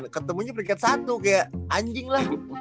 ketemunya peringkat satu kayak anjing lah